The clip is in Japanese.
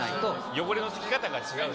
汚れのつき方が違う。